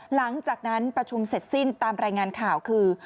หลังจากนั้นประชุมเสร็จสิ้นตามรายงานข่าวคือ